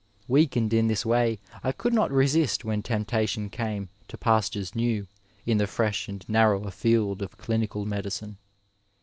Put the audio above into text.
Weakened in this way, I could not resist when temptation came to pastures new in the fresh and narrower field of dinical medicine.